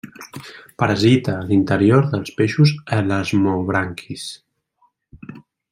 Parasita l'interior dels peixos elasmobranquis.